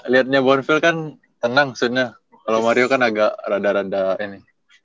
lihatnya bonville kan tenang maksudnya kalau mario kan agak rada rada ini